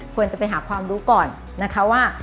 ควรจะไปหาความรู้ก่อนนะคะว่า